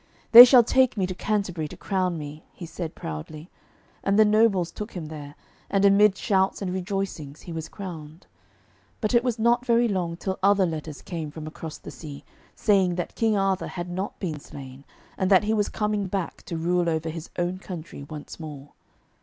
'They shall take me to Canterbury to crown me,' he said proudly. And the nobles took him there, and amid shouts and rejoicings he was crowned. But it was not very long till other letters came from across the sea, saying that King Arthur had not been slain, and that he was coming back to rule over his own country once more.